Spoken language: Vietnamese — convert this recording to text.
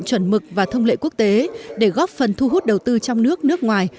chuẩn mực và thông lệ quốc tế để góp phần thu hút đầu tư trong nước nước ngoài